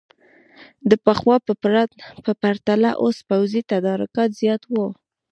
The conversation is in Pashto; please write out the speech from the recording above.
د پخوا په پرتله اوس پوځي تدارکات زیات وو.